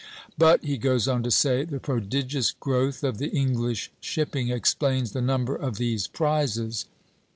But," he goes on to say, "the prodigious growth of the English shipping explains the number of these prizes."